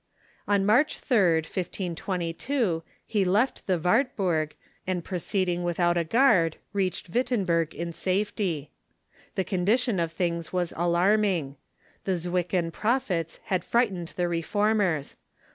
On March 3d, 1522, he left the Wartburg, and, proceeding without a guard, reached Wittenberg in safety. The condition of things was alarming. The Zwickau Prophets had fright ened the Reformers.